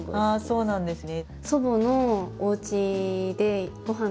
そうなんですね。